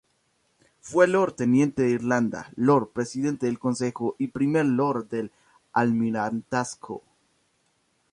Fue Lord teniente de Irlanda, Lord Presidente del Consejo y Primer Lord del Almirantazgo.